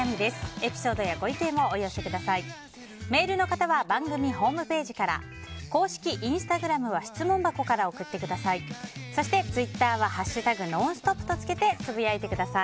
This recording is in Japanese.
エピソードやご意見をお寄せください。